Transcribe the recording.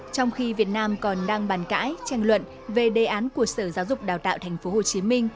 trong khi việt nam còn đang bàn cãi tranh luận về đề án của sở giáo dục đào tạo tp hcm